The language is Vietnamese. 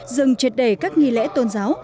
dừng triệt đề các nghi lễ tôn giáo